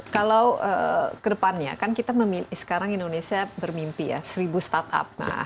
kalau kedepannya kan kita memilih sekarang indonesia bermimpi ya seribu startup